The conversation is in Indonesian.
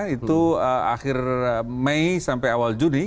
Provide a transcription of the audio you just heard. itu akhir mei sampai awal juni